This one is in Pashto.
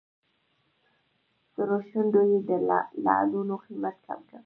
سرو شونډو یې د لعلونو قیمت کم کړ.